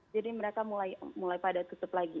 jadi mereka mulai padat tutup lagi